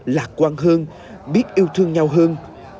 lạc quan hơn biết yêu thương nhau hơn